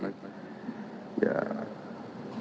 tidak dibukakan lagi